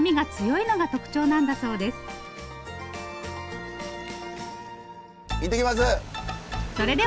いってきます！